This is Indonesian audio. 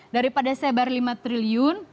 daripada saya bayar lima triliun